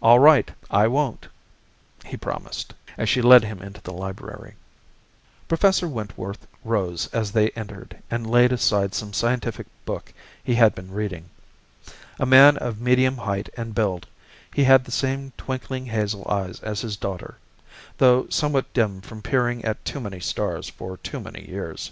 "All right, I won't," he promised, as she led him into the library. Professor Wentworth rose as they entered and laid aside some scientific book he had been reading. A man of medium height and build, he had the same twinkling hazel eyes as his daughter, though somewhat dimmed from peering at too many stars for too many years.